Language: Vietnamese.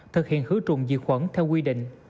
thực hiện hứa trùng diệt khuẩn theo quy định